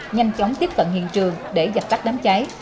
nhanh chóng tiếp cận hiện trường để dập tắt đám cháy